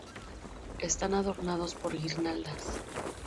Están adornados por guirnaldas.